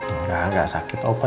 enggak enggak sakit opa